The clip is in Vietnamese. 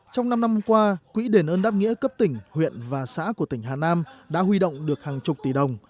trong năm năm qua quỹ đền ơn đáp nghĩa cấp tỉnh huyện và xã của tỉnh hà nam đã huy động được hàng chục tỷ đồng